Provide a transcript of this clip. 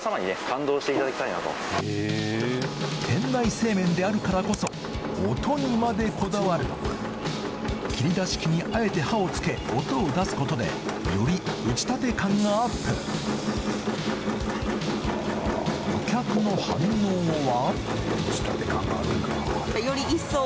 店内製麺であるからこそ音にまでこだわる切り出し機にあえて刃を付け音を出すことでより打ちたて感がアップお客の反応は？